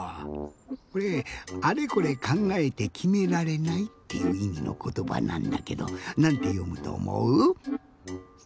これ「あれこれかんがえてきめられない」っていういみのことばなんだけどなんてよむとおもう？